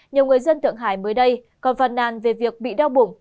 nhiều người dân thượng hải mới đây còn phàn nàn về việc bị đau bụng